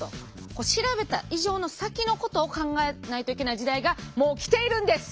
調べた以上の先のことを考えないといけない時代がもう来ているんです。